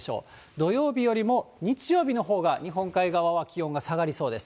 土曜日よりも日曜日のほうが日本海側は気温が下がりそうです。